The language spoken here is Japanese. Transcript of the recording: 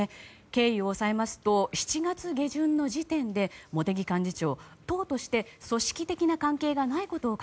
経緯を押さえますと７月下旬の時点で茂木幹事長、党として組織的な関係がないことを